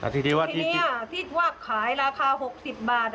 ทีนี้คิดว่าขายราคา๖๐บาท